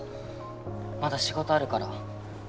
まだ仕事あるから。